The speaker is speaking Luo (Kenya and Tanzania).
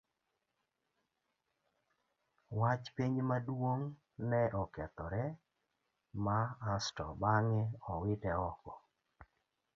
Wach penj maduong' ne okethore ma asto bang'e owite oko.